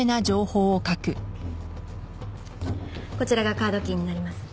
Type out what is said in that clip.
こちらがカードキーになります。